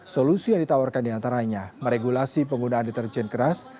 solusi yang ditawarkan diantaranya meregulasi penggunaan deterjen keras